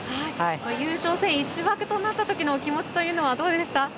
優勝戦１枠となったときのお気持ちはどうでした？